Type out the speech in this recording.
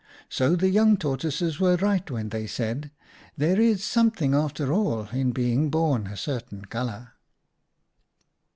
So the Young Tortoises were right when they said, ' There is some thing, after all, in being born a certain colour.